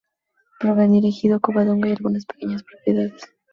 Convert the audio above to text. El Porvenir, Ejido Covadonga y algunas pequeñas propiedades.